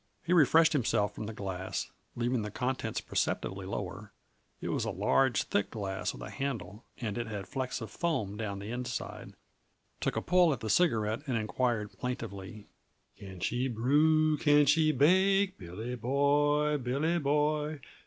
He refreshed himself from the glass, leaving the contents perceptibly lower it was a large, thick glass with a handle, and it had flecks of foam down the inside took a pull at the cigarette and inquired plaintively: "Can she brew, can she bake, Billy boy, Billy boy?